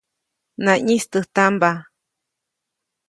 Naʼyĩstäjtampa.